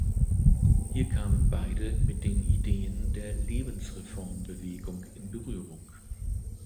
Hier kamen beide mit den Ideen der Lebensreformbewegung in Berührung.